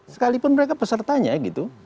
sekalipun mereka pesertanya gitu